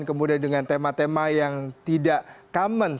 kemudian dengan tema tema yang tidak common